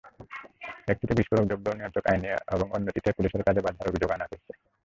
একটিতে বিস্ফোরকদ্রব্য নিয়ন্ত্রণ আইনে এবং অন্যটিতে পুলিশের কাজে বাধার অভিযোগ আনা হয়েছে।